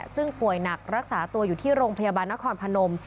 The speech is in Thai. ซึ่งป่วยหนักรักษาตัวอยู่ที่โรงพยาบาลนครพนม